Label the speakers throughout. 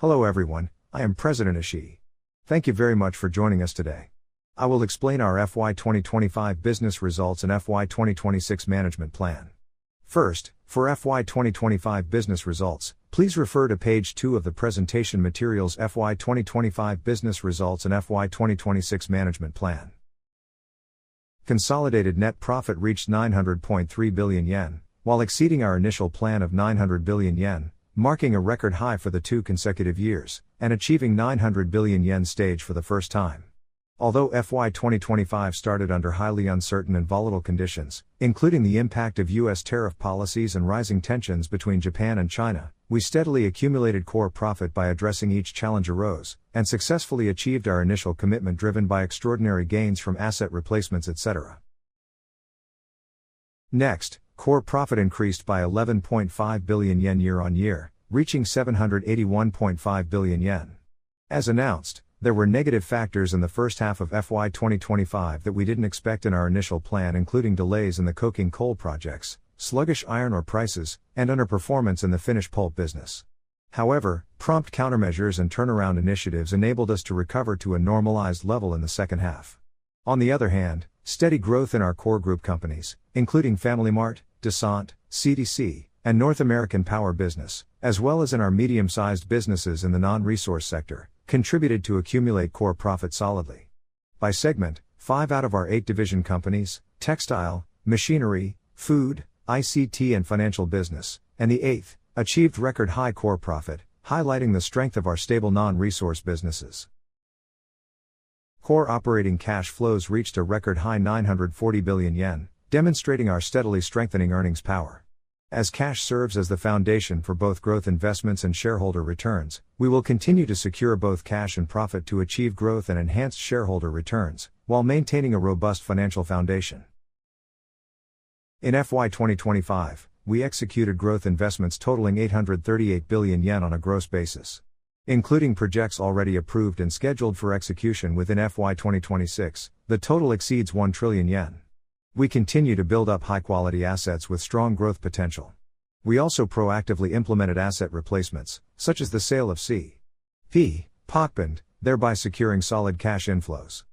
Speaker 1: Hello everyone, I am President Ishii. Thank you very much for joining us today. I will explain our FY 2025 business results and FY 2026 management plan. First, for FY 2025 business results, please refer to page two of the presentation materials, FY 2025 business results and FY 2026 management plan. Consolidated net profit reached 900.3 billion yen, while exceeding our initial plan of 900 billion yen, marking a record high for the two consecutive years and achieving 900 billion yen stage for the first time. Although FY 2025 started under highly uncertain and volatile conditions, including the impact of U.S. tariff policies and rising tensions between Japan and China, we steadily accumulated core profit by addressing each challenge arose and successfully achieved our initial commitment, driven by extraordinary gains from asset replacements, et cetera. Next, core profit increased by 11.5 billion yen year-on-year, reaching 781.5 billion yen. As announced, there were negative factors in the first half of FY 2025 that we didn't expect in our initial plan, including delays in the coking coal projects, sluggish iron ore prices, and underperformance in the finished pulp business. Prompt countermeasures and turnaround initiatives enabled us to recover to a normalized level in the second half. Steady growth in our core group companies, including FamilyMart, Descente, CDC, and North American Power business, as well as in our medium-sized businesses in the non-resource sector, contributed to accumulate core profit solidly. By segment, five out of our eight division companies, textile, machinery, food, ICT and financial business, and the eighth, achieved record high core profit, highlighting the strength of our stable non-resource businesses. Core operating cash flows reached a record high 940 billion yen, demonstrating our steadily strengthening earnings power. As cash serves as the foundation for both growth investments and shareholder returns, we will continue to secure both cash and profit to achieve growth and enhanced shareholder returns, while maintaining a robust financial foundation. In FY 2025, we executed growth investments totaling 838 billion yen on a gross basis. Including projects already approved and scheduled for execution within FY 2026, the total exceeds 1 trillion yen. We continue to build up high-quality assets with strong growth potential. We also proactively implemented asset replacements, such as the sale of C.P. Pokphand, thereby securing solid cash inflows.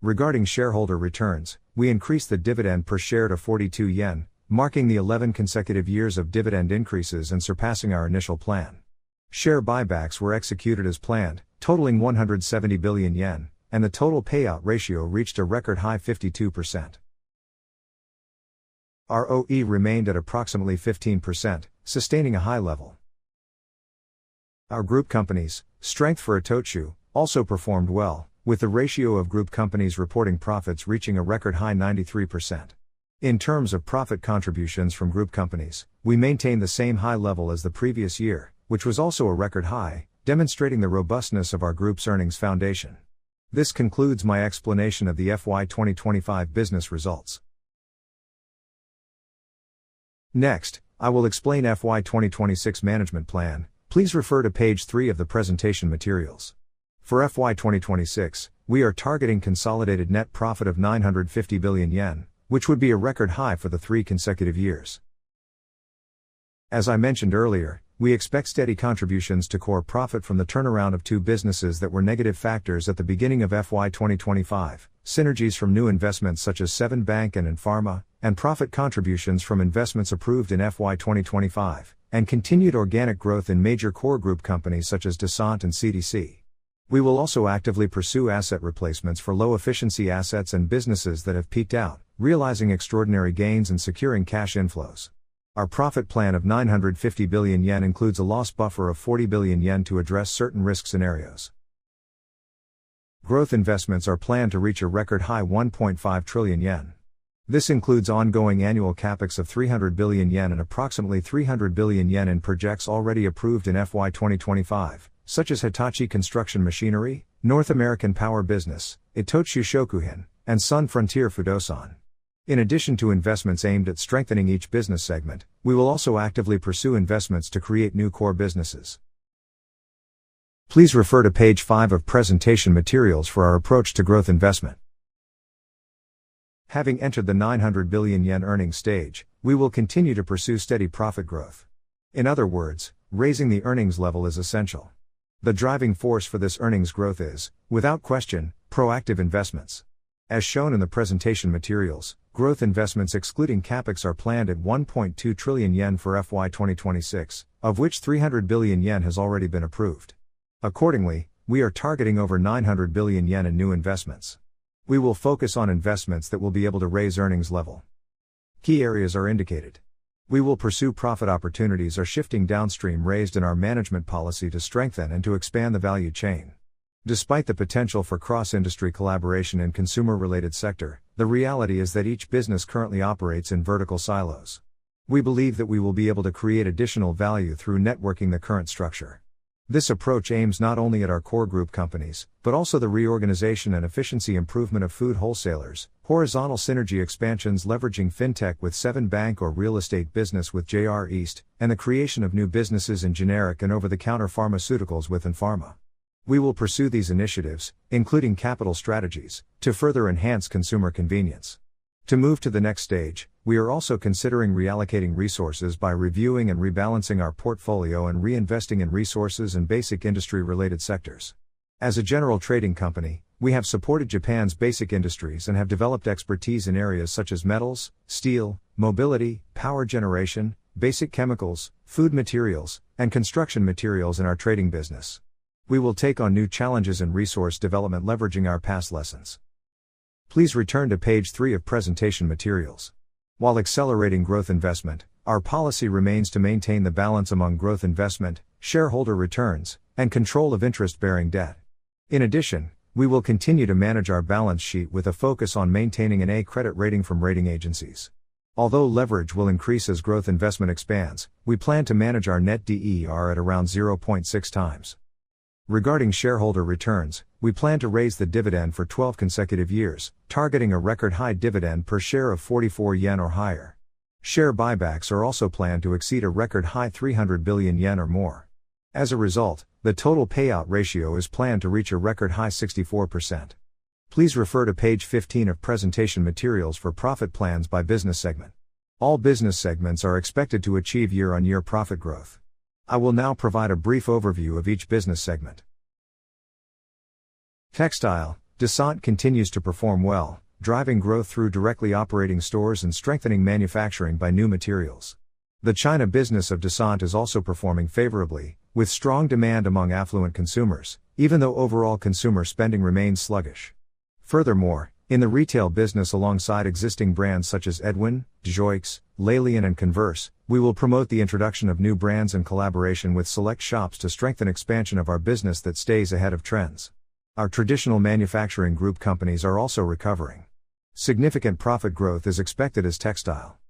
Speaker 1: Regarding shareholder returns, we increased the dividend per share to 42 yen, marking the 11 consecutive years of dividend increases and surpassing our initial plan. Share buybacks were executed as planned, totaling 170 billion yen, and the total payout ratio reached a record high 52%. ROE remained at approximately 15%, sustaining a high level. Our group company's strength for ITOCHU also performed well, with the ratio of group companies reporting profits reaching a record high 93%. In terms of profit contributions from group companies, we maintained the same high level as the previous year, which was also a record high, demonstrating the robustness of our group's earnings foundation. This concludes my explanation of the FY 2025 business results. Next, I will explain FY 2026 management plan. Please refer to page three of the presentation materials. For FY 2026, we are targeting consolidated net profit of 950 billion yen, which would be a record high for the three consecutive years. As I mentioned earlier, we expect steady contributions to core profit from the turnaround of 2 businesses that were negative factors at the beginning of FY 2025, synergies from new investments such as Seven Bank and AND PHARMA, and profit contributions from investments approved in FY 2025, and continued organic growth in major core group companies such as Descente and CDC. We will also actively pursue asset replacements for low-efficiency assets and businesses that have peaked out, realizing extraordinary gains and securing cash inflows. Our profit plan of 950 billion yen includes a loss buffer of 40 billion yen to address certain risk scenarios. Growth investments are planned to reach a record high 1.5 trillion yen. This includes ongoing annual CapEx of 300 billion yen and approximately 300 billion yen in projects already approved in FY 2025, such as Hitachi Construction Machinery, North American Power Business, ITOCHU-SHOKUHIN, and Sun Frontier Fudousan. In addition to investments aimed at strengthening each business segment, we will also actively pursue investments to create new core businesses. Please refer to page five of presentation materials for our approach to growth investment. Having entered the 900 billion yen earnings stage, we will continue to pursue steady profit growth. In other words, raising the earnings level is essential. The driving force for this earnings growth is, without question, proactive investments. As shown in the presentation materials, growth investments excluding CapEx are planned at 1.2 trillion yen for FY 2026, of which 300 billion yen has already been approved. Accordingly, we are targeting over 900 billion yen in new investments. We will focus on investments that will be able to raise earnings level. Key areas are indicated. We will pursue profit opportunities are shifting downstream, raised in our management policy to strengthen and to expand the value chain. Despite the potential for cross-industry collaboration in consumer-related sector, the reality is that each business currently operates in vertical silos. We believe that we will be able to create additional value through networking the current structure. This approach aims not only at our core group companies, but also the reorganization and efficiency improvement of food wholesalers, horizontal synergy expansions leveraging FinTech with Seven Bank or real estate business with JR East, and the creation of new businesses in generic and over-the-counter pharmaceuticals with AND PHARMA. We will pursue these initiatives, including capital strategies, to further enhance consumer convenience. To move to the next stage, we are also considering reallocating resources by reviewing and rebalancing our portfolio and reinvesting in resources and basic industry-related sectors. As a general trading company, we have supported Japan's basic industries and have developed expertise in areas such as metals, steel, mobility, power generation, basic chemicals, food materials, and construction materials in our trading business. We will take on new challenges in resource development leveraging our past lessons. Please return to page three of presentation materials. While accelerating growth investment, our policy remains to maintain the balance among growth investment, shareholder returns, and control of interest-bearing debt. In addition, we will continue to manage our balance sheet with a focus on maintaining an A credit rating from rating agencies. Although leverage will increase as growth investment expands, we plan to manage our net DER at around 0.6x. Regarding shareholder returns, we plan to raise the dividend for 12 consecutive years, targeting a record-high dividend per share of 44 yen or higher. Share buybacks are also planned to exceed a record-high 300 billion yen or more. As a result, the total payout ratio is planned to reach a record high 64%. Please refer to page 15 of presentation materials for profit plans by business segment. All business segments are expected to achieve year-on-year profit growth. I will now provide a brief overview of each business segment. Textile: Descente continues to perform well, driving growth through directly operating stores and strengthening manufacturing by new materials. The China business of Descente is also performing favorably, with strong demand among affluent consumers, even though overall consumer spending remains sluggish. In the retail business alongside existing brands such as Edwin, JOI'X, Leilian, and Converse, we will promote the introduction of new brands and collaboration with select shops to strengthen expansion of our business that stays ahead of trends. Our traditional manufacturing group companies are also recovering. Significant profit growth is expected as textile.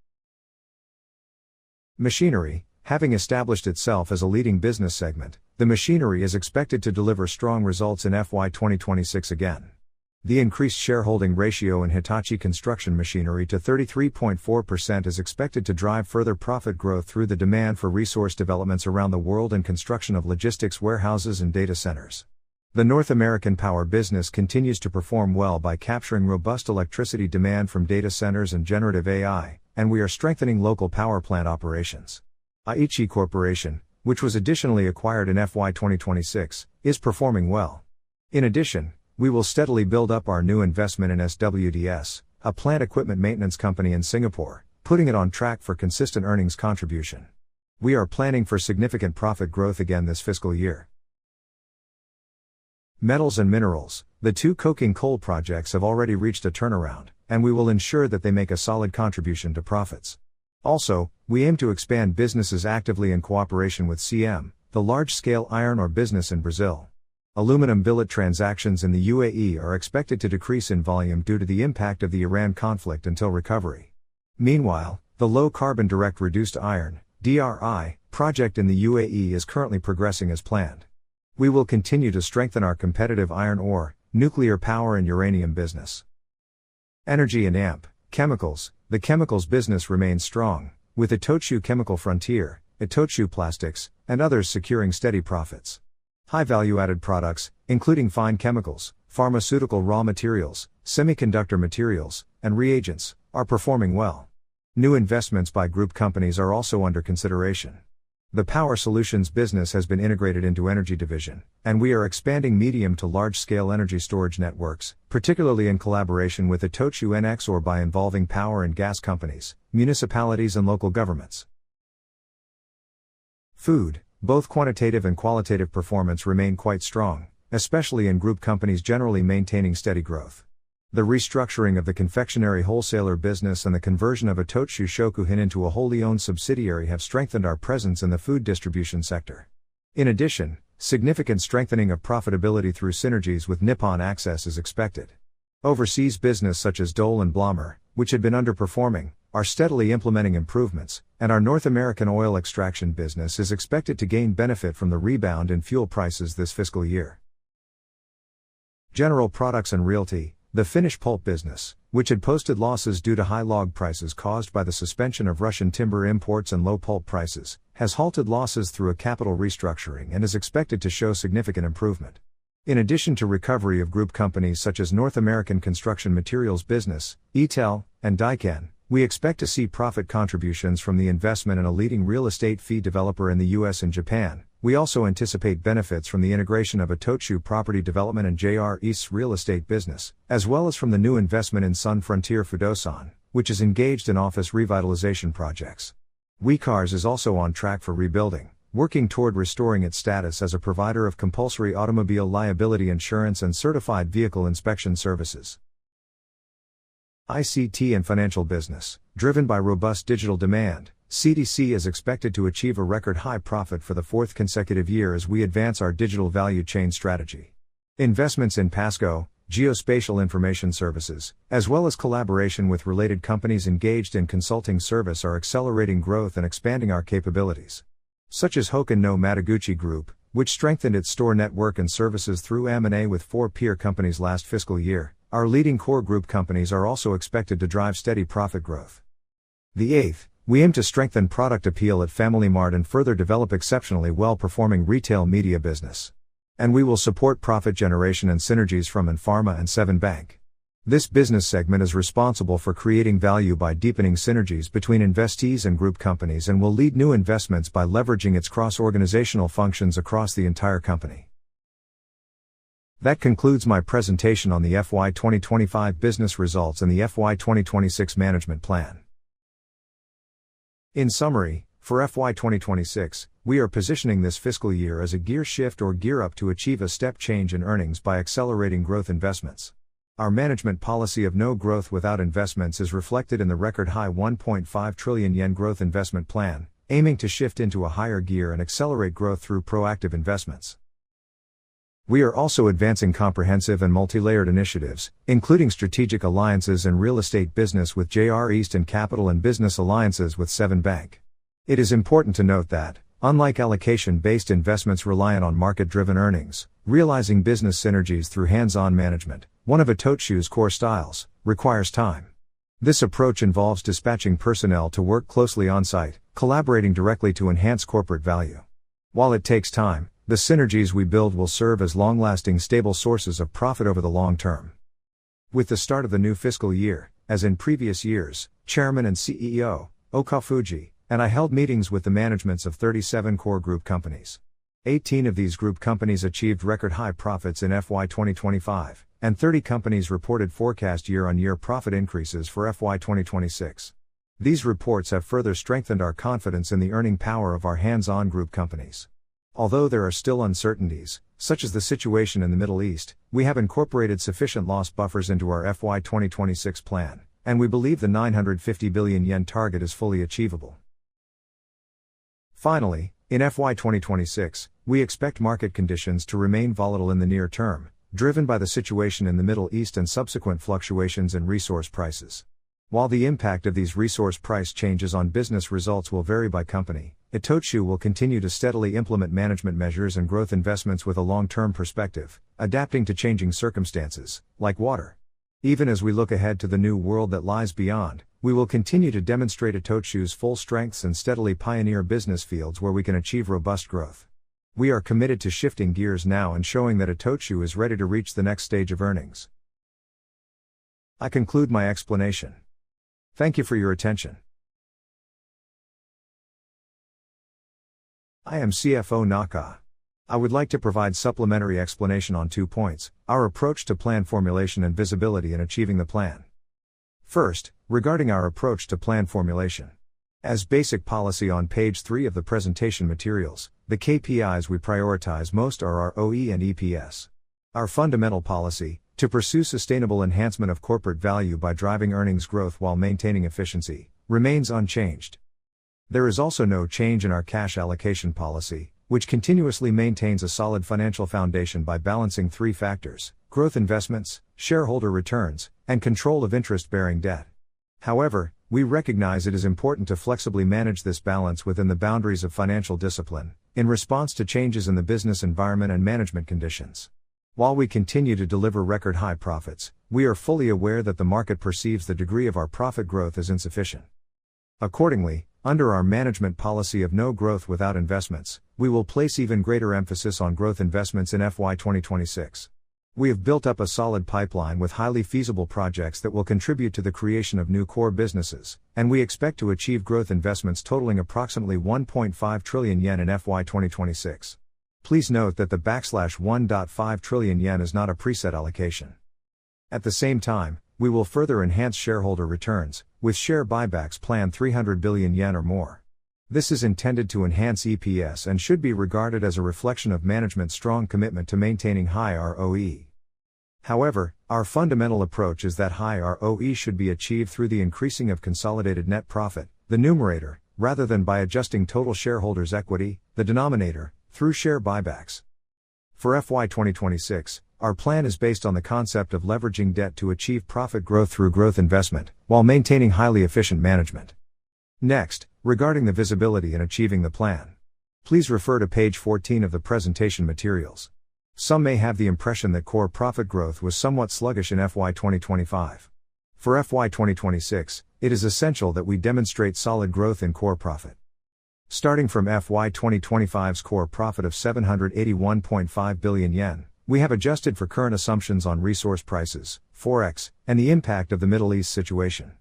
Speaker 1: Machinery: Having established itself as a leading business segment, the machinery is expected to deliver strong results in FY 2026 again. The increased shareholding ratio in Hitachi Construction Machinery to 33.4% is expected to drive further profit growth through the demand for resource developments around the world and construction of logistics warehouses and data centers. The North American Power business continues to perform well by capturing robust electricity demand from data centers and generative AI. We are strengthening local power plant operations. Aichi Corporation, which was additionally acquired in FY 2026, is performing well. In addition, we will steadily build up our new investment in SWTS, a plant equipment maintenance company in Singapore, putting it on track for consistent earnings contribution. We are planning for significant profit growth again this fiscal year. Metals and minerals: The two coking coal projects have already reached a turnaround. We will ensure that they make a solid contribution to profits. We aim to expand businesses actively in cooperation with CM, the large-scale iron ore business in Brazil. Aluminum billet transactions in the UAE are expected to decrease in volume due to the impact of the Iran conflict until recovery. The low-carbon direct reduced iron, DRI, project in the UAE is currently progressing as planned. We will continue to strengthen our competitive iron ore, nuclear power and uranium business. Energy & Chemicals: The chemicals business remains strong, with ITOCHU Chemical Frontier, ITOCHU Plastics, and others securing steady profits. High value-added products, including fine chemicals, pharmaceutical raw materials, semiconductor materials, and reagents, are performing well. New investments by group companies are also under consideration. The power solutions business has been integrated into Energy Division, and we are expanding medium to large-scale energy storage networks, particularly in collaboration with ITOCHU ENEX or by involving power and gas companies, municipalities, and local governments. Food: Both quantitative and qualitative performance remain quite strong, especially in group companies generally maintaining steady growth. The restructuring of the confectionery wholesaler business and the conversion of ITOCHU-SHOKUHIN into a wholly-owned subsidiary have strengthened our presence in the food distribution sector. In addition, significant strengthening of profitability through synergies with Nippon Access is expected. Overseas business such as Dole and Burra, which had been underperforming, are steadily implementing improvements, and our North American oil extraction business is expected to gain benefit from the rebound in fuel prices this fiscal year. General Products and Realty: The Finnish pulp business, which had posted losses due to high log prices caused by the suspension of Russian timber imports and low pulp prices, has halted losses through a capital restructuring and is expected to show significant improvement. In addition to recovery of group companies such as North American Construction Materials business, ETEL, and DAIKEN, we expect to see profit contributions from the investment in a leading real estate fee developer in the U.S. and Japan. We also anticipate benefits from the integration of ITOCHU Property Development and JR East's real estate business, as well as from the new investment in Sun Frontier Fudousan, which is engaged in office revitalization projects. WECARS is also on track for rebuilding, working toward restoring its status as a provider of compulsory automobile liability insurance and certified vehicle inspection services. ICT and Financial business: Driven by robust digital demand, CTC is expected to achieve a record-high profit for the fourth consecutive year as we advance our digital value chain strategy. Investments in PASCO CORPORATION, geospatial information services, as well as collaboration with related companies engaged in consulting service are accelerating growth and expanding our capabilities. Such as HOKEN NO MADOGUCHI Group, which strengthened its store network and services through M&A with four peer companies last fiscal year, our leading core group companies are also expected to drive steady profit growth. The eighth, we aim to strengthen product appeal at FamilyMart and further develop exceptionally well-performing retail media business. We will support profit generation and synergies from AND PHARMA and Seven Bank. This business segment is responsible for creating value by deepening synergies between investees and group companies and will lead new investments by leveraging its cross-organizational functions across the entire company. That concludes my presentation on the FY 2025 business results and the FY 2026 management plan. In summary, for FY 2026, we are positioning this fiscal year as a gear shift or gear up to achieve a step change in earnings by accelerating growth investments. Our management policy of no growth without investments is reflected in the record-high 1.5 trillion yen growth investment plan, aiming to shift into a higher gear and accelerate growth through proactive investments. We are also advancing comprehensive and multilayered initiatives, including strategic alliances in real estate business with JR East and capital and business alliances with Seven Bank. It is important to note that unlike allocation-based investments reliant on market-driven earnings, realizing business synergies through hands-on management, one of ITOCHU's core styles, requires time. This approach involves dispatching personnel to work closely on-site, collaborating directly to enhance corporate value. While it takes time, the synergies we build will serve as long-lasting, stable sources of profit over the long term. With the start of the new fiscal year, as in previous years, Chairman and CEO, Masahiro Okafuji, and I held meetings with the managements of 37 core group companies. 18 of these group companies achieved record-high profits in FY 2025, and 30 companies reported forecast year-on-year profit increases for FY 2026. These reports have further strengthened our confidence in the earning power of our hands-on group companies. Although there are still uncertainties, such as the situation in the Middle East, we have incorporated sufficient loss buffers into our FY 2026 plan, and we believe the 950 billion yen target is fully achievable. Finally, in FY 2026, we expect market conditions to remain volatile in the near term, driven by the situation in the Middle East and subsequent fluctuations in resource prices. While the impact of these resource price changes on business results will vary by company, ITOCHU will continue to steadily implement management measures and growth investments with a long-term perspective, adapting to changing circumstances like water. Even as we look ahead to the new world that lies beyond, we will continue to demonstrate ITOCHU's full strengths and steadily pioneer business fields where we can achieve robust growth. We are committed to shifting gears now and showing that ITOCHU is ready to reach the next stage of earnings. I conclude my explanation. Thank you for your attention.
Speaker 2: I am CFO Naka. I would like to provide supplementary explanation on two points, our approach to plan formulation and visibility in achieving the plan. First, regarding our approach to plan formulation. As basic policy on page three of the presentation materials, the KPIs we prioritize most are ROE and EPS. Our fundamental policy, to pursue sustainable enhancement of corporate value by driving earnings growth while maintaining efficiency, remains unchanged. There is also no change in our cash allocation policy, which continuously maintains a solid financial foundation by balancing three factors: growth investments, shareholder returns, and control of interest-bearing debt. However, we recognize it is important to flexibly manage this balance within the boundaries of financial discipline in response to changes in the business environment and management conditions. While we continue to deliver record-high profits, we are fully aware that the market perceives the degree of our profit growth as insufficient. Accordingly, under our management policy of no growth without investments, we will place even greater emphasis on growth investments in FY 2026. We have built up a solid pipeline with highly feasible projects that will contribute to the creation of new core businesses, and we expect to achieve growth investments totaling approximately 1.5 trillion yen in FY 2026. Please note that the 1.5 trillion yen is not a preset allocation. At the same time, we will further enhance shareholder returns with share buybacks planned 300 billion yen or more. This is intended to enhance EPS and should be regarded as a reflection of management's strong commitment to maintaining high ROE. However, our fundamental approach is that high ROE should be achieved through the increasing of consolidated net profit, the numerator, rather than by adjusting total shareholders' equity, the denominator, through share buybacks. For FY 2026, our plan is based on the concept of leveraging debt to achieve profit growth through growth investment while maintaining highly efficient management. Next, regarding the visibility in achieving the plan. Please refer to page 14 of the presentation materials. Some may have the impression that core profit growth was somewhat sluggish in FY 2025. For FY 2026, it is essential that we demonstrate solid growth in core profit. Starting from FY 2025's core profit of 781.5 billion yen, we have adjusted for current assumptions on resource prices, Forex, and the impact of the Middle East situation.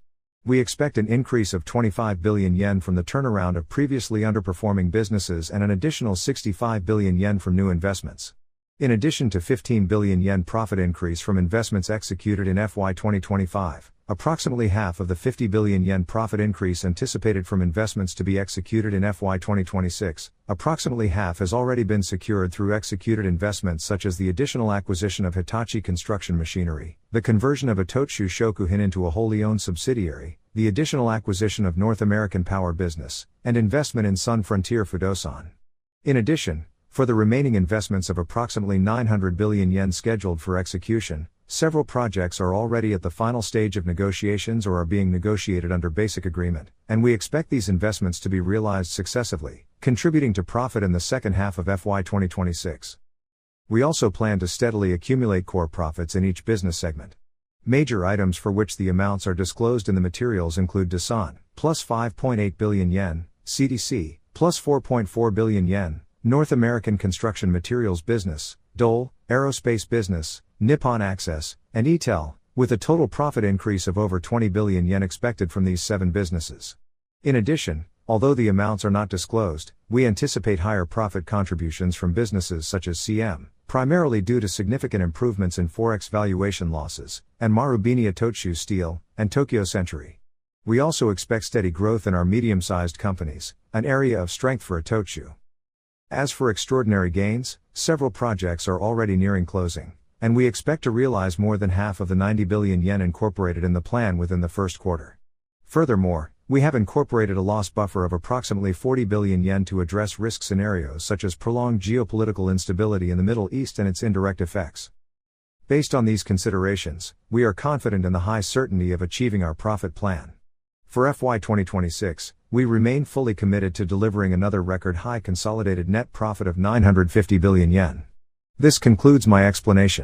Speaker 2: We expect an increase of 25 billion yen from the turnaround of previously underperforming businesses and an additional 65 billion yen from new investments. In addition to 15 billion yen profit increase from investments executed in FY 2025, approximately half of the 50 billion yen profit increase anticipated from investments to be executed in FY 2026, approximately half has already been secured through executed investments such as the additional acquisition of Hitachi Construction Machinery, the conversion of ITOCHU-SHOKUHIN into a wholly-owned subsidiary, the additional acquisition of North American Power Business, and investment in Sun Frontier Fudousan. In addition, for the remaining investments of approximately 900 billion yen scheduled for execution, several projects are already at the final stage of negotiations or are being negotiated under basic agreement, and we expect these investments to be realized successively, contributing to profit in the second half of FY 2026. We also plan to steadily accumulate core profits in each business segment. Major items for which the amounts are disclosed in the materials include Descente, plus 5.8 billion yen, CTC, plus 4.4 billion yen, North American Construction Materials Business, Dole, Aerospace Business, Nippon Access, and ETEL, with a total profit increase of over 20 billion yen expected from these seven businesses. In addition, although the amounts are not disclosed, we anticipate higher profit contributions from businesses such as CM, primarily due to significant improvements in Forex valuation losses, and Marubeni-Itochu Steel, and Tokyo Century. We also expect steady growth in our medium-sized companies, an area of strength for ITOCHU. As for extraordinary gains, several projects are already nearing closing, and we expect to realize more than half of the 90 billion yen incorporated in the plan within the first quarter. Furthermore, we have incorporated a loss buffer of approximately 40 billion yen to address risk scenarios such as prolonged geopolitical instability in the Middle East and its indirect effects. Based on these considerations, we are confident in the high certainty of achieving our profit plan. For FY 2026, we remain fully committed to delivering another record-high consolidated net profit of 950 billion yen. This concludes my explanation.